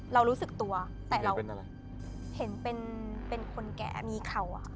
เรารู้สึกตัวแต่เราเป็นอะไรเห็นเป็นคนแก่มีเข่าอ่ะ